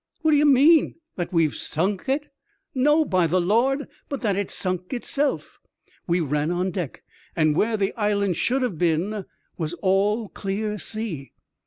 "What d'ye mean ? that we've sunk it ?"" No, by the Lord ; but that it's sunk itself." We ran on deck, and where the island should have been was all clear sea.